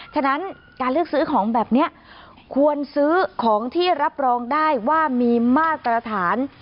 ฉะนั้นการเลือกซื้อของแบบนี้ควรซื้อของที่รับรองได้ว่ามีมาตรฐาน